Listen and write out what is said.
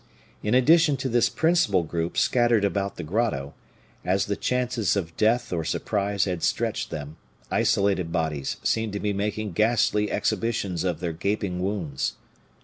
In addition to this principal group scattered about the grotto, as the chances of death or surprise had stretched them, isolated bodies seemed to be making ghastly exhibitions of their gaping wounds.